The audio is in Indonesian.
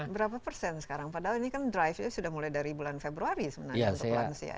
berapa persen sekarang padahal ini kan drive nya sudah mulai dari bulan februari sebenarnya untuk lansia